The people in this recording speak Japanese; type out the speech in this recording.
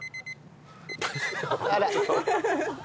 あら。